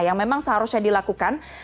yang memang seharusnya dilakukan